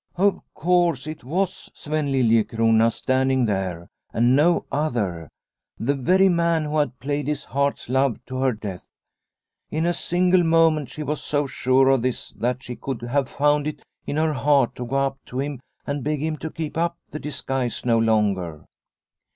Of course, it was Sven Liliecrona standing there and no other; the very man who had played his heart's love to her death. In a single moment she was so sure of this that she could have found it in her heart to go up to him and beg him to keep up the disguise no longer.